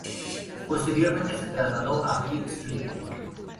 Posteriormente se trasladó a Fleet Street.